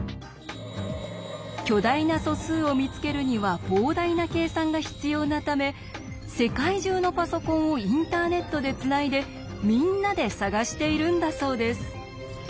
巨大な素数を見つけるには膨大な計算が必要なため世界中のパソコンをインターネットでつないでみんなで探しているんだそうです。